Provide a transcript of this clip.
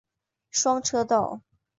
双车道。